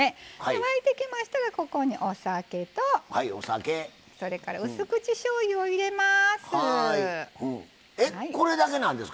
沸いてきましたら、お酒とそれからうす口しょうゆを入れます。